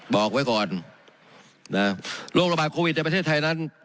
บอกไว้ก่อนนะโรคระบาดโควิดในประเทศไทยนั้น